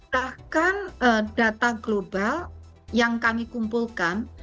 bahkan data global yang kami kumpulkan